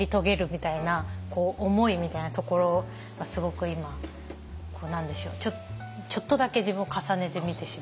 みたいな思いみたいなところはすごく今何でしょうちょっとだけ自分を重ねて見てしまいました。